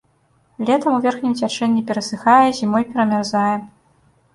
Летам у верхнім цячэнні перасыхае, зімой перамярзае.